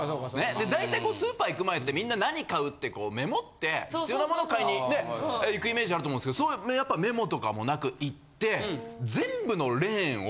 だいたいスーパー行く前ってみんな何買うってメモって必要なもの買いに行くイメージあると思うんですけどやっぱメモとかもなく行って。